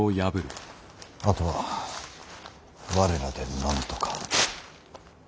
あとは我らでなんとか。